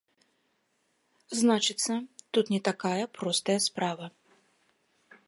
Значыцца, тут не такая простая справа!